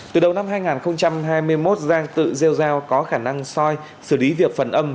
từ đầu năm hai nghìn hai mươi một giang tự rêu dao có khả năng soi xử lý việc phần âm